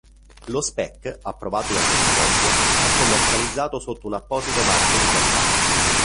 Lo "speck" approvato dal consorzio è commercializzato sotto un apposito marchio di qualità.